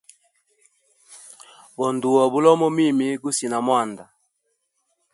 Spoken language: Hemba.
Go nduwa bulomo mimi gusinamwanda.